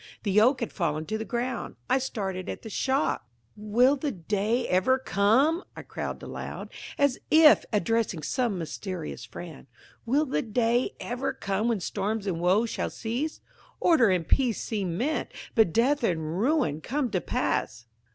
The Oak had fallen to the ground. I started at the shock. "Will the day ever come," I cried aloud, as if addressing some mysterious friend, "will the day ever come when storms and woe shall cease? Order and peace seem meant, but death and ruin come to pass."